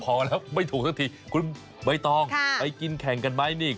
พอแล้วไม่ถูกสักทีคุณใบตองไปกินแข่งกันไหมนี่